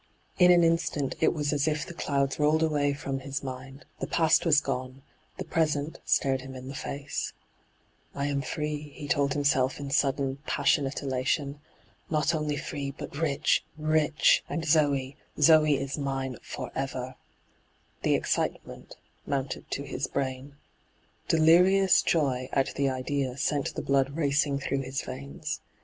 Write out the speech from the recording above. In an instant it was as if the clouds rolled away from his mind, the past was gone, the present stared him in the face, ' I am free,' he told himself in sudden, paa sionate elation. ' Not only free — but rich — rich I And Zoe— Zoe is mine — for ever 1' The excitement mounted to his brain. Delirious joy at the idea sent the blood racing through his veins.